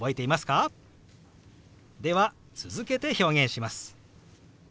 では続けて表現します。